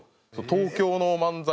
東京の漫才